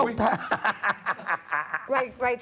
เหมือนกันอย่างน้อยเหมือนกันอย่างน้อย